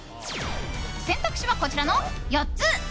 選択肢は、こちらの４つ。